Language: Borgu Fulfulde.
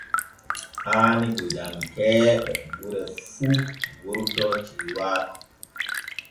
Haani gojankee ɓe gure fu wurto ciiwaaku.